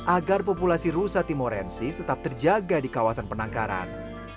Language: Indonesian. agar populasi rusa timorensis tetap terjaga di kawasan penangkaran